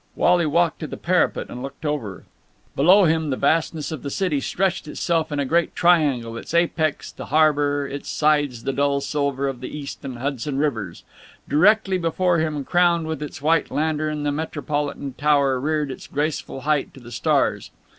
Wally walked to the parapet, and looked over. Below him the vastness of the city stretched itself in a great triangle, its apex the harbour, its sides the dull silver of the East and Hudson Rivers. Directly before him, crowned with its white lantern, the Metropolitan Tower reared its graceful height to the stars.